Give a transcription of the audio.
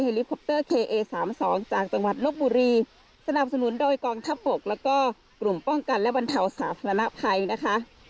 ลิคอปเตอร์เคเอสามสองจากจังหวัดลบบุรีสนับสนุนโดยกองทัพบกแล้วก็กลุ่มป้องกันและบรรเทาสาธารณภัยนะคะ